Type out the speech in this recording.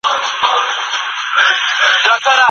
دغه حاجي د شپاڼس کالو دمخه لا دونه نېک انسان و.